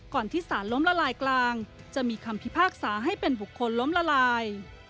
ที่สารล้มละลายกลางจะมีคำพิพากษาให้เป็นบุคคลล้มละลาย